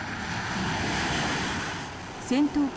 戦闘機